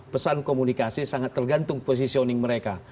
pesan komunikasi sangat tergantung positioning mereka